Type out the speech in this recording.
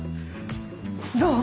どう？